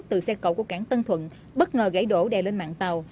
từ xe cầu của cảng tân thuận bất ngờ gãy đổ đè lên mạng tàu